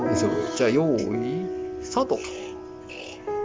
じゃあよいスタート。